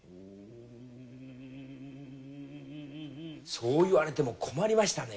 そう言われても困りましたね。